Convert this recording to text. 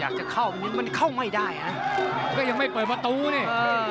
นี่นี่นี่นี่นี่นี่นี่